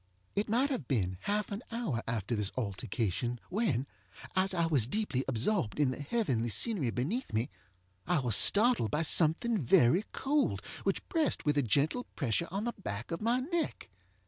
It might have been half an hour after this altercation when, as I was deeply absorbed in the heavenly scenery beneath me, I was startled by something very cold which pressed with a gentle pressure on the back of my neck.